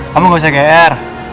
kamu nggak usah gr